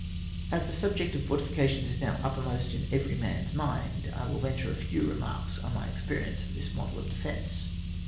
As the subject of fortifications is now uppermost in every man's mind, I will venture a few remarks on my experience of this mode of defence.